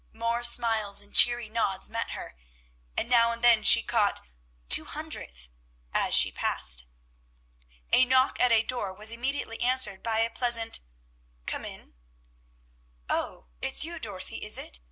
More smiles and cheery nods met her, and now and then she caught "two hundredth" as she passed. A knock at a door was immediately answered by a pleasant "Come in." "Oh, it's you, Dorothy, is it?